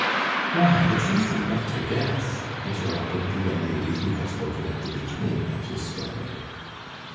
"Why, it's easy enough to guess," interrupted the young lady who had spoken at the beginning of his story.